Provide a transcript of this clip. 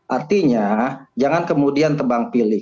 artinya jangan kemudian tebang pilih